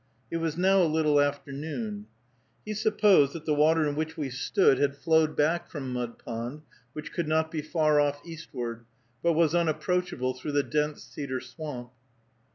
It was now a little after noon. He supposed that the water in which we stood had flowed back from Mud Pond, which could not be far off eastward, but was unapproachable through the dense cedar swamp.